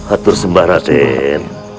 atur sembah ratin